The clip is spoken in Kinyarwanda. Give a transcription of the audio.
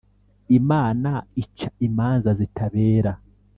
Imana ica imanza zitabera